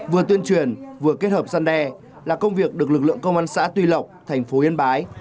vừa tuyên truyền vừa kết hợp dân đe là công việc được lực lượng công an xã tuy lộc thành phố yên bái